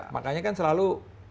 makanya kan selalu